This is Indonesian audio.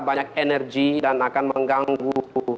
banyak energi dan akan mengganggu